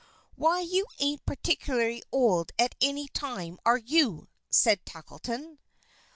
"Why, you ain't particularly old at any time, are you?" said Tackleton.